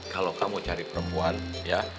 kalau kamu cari perempuan ya